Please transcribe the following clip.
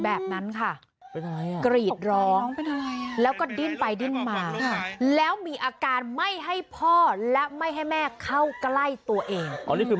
แบบนั้นค่ะกรีดร้องแล้วก็ดิ้นไปดิ้นมาแล้วมีอาการไม่ให้พ่อและไม่ให้แม่เข้าใกล้ตัวเอง